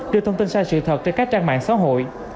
đưa thông tin sai sự thật trên các trang mạng xã hội